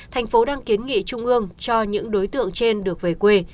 thành phố đang kiến nghị trung ương cho những đối tượng trên được về quê